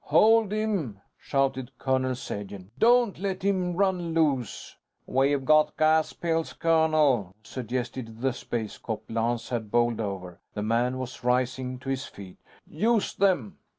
"Hold him!" shouted Colonel Sagen. "Don't let him run loose." "We got gas pills, colonel," suggested the space cop Lance had bowled over. The man was rising to his feet. "Use them."